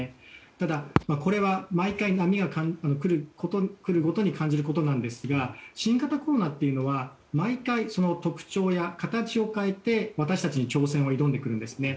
ただ、これは毎回波が来るごとに感じることなんですが新型コロナというのは毎回、特徴や形を変えて私たちに挑戦を挑んでくるんです。